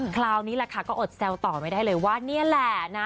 คราวนี้แหละค่ะก็อดแซวต่อไม่ได้เลยว่านี่แหละนะ